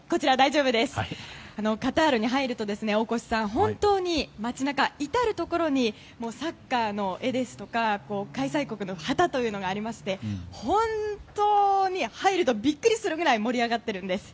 カタールに入ると大越さん、本当に街中至るところにサッカーの絵ですとか開催国の旗がありまして本当に、入るとビックリするぐらい盛り上がっているんです。